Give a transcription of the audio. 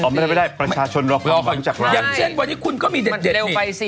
อ๋อไม่ได้ประชาชนรอความรู้จักร้านอย่างเช่นวันนี้คุณก็มีเด็ดเด็ดมันเร็วไปสิ